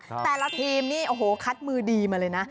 แต่ละทีมนี่โอ้โหคัดมือดีมาเลยนะ